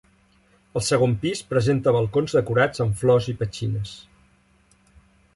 El segon pis presenta balcons decorats amb flors i petxines.